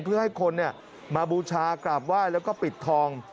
เพื่อให้คนเนี่ยมาบูชากราบว้ายแล้วก็บิดทอง